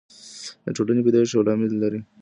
د ټولني پیدایښت یو لامل لري.